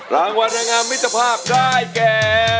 รางวัลดังอ่ะมิจภาพได้แก